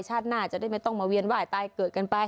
หน้าจะได้ไม่ต้องมาเวียนไหว้ตายเกิดกันไป